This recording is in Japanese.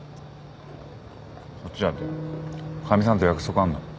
こっちだってかみさんと約束あんだ。